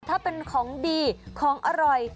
ถ้าเป็นของดีของอร่อย